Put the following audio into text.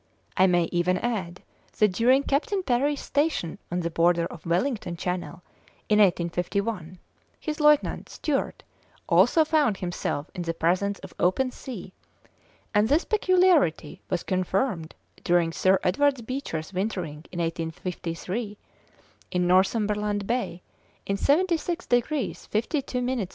I may even add that during Captain Parry's station on the border of Wellington Channel, in 1851, his lieutenant, Stewart, also found himself in the presence of open sea, and this peculiarity was confirmed during Sir Edward Beecher's wintering in 1853, in Northumberland Bay, in 76 degrees 52 minutes N.